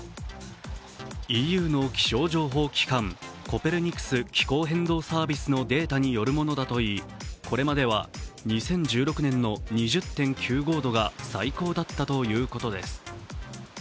ＥＵの気象情報機関コペルニクス気候変動サービスのデータによるものだといい、これまで２０１６年の２０．９５度が最高だったということです。